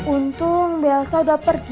untung belsa udah pergi